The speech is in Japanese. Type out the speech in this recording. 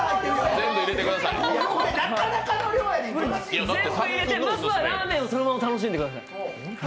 全部入れて、まずはラーメンをそのまま楽しんでください。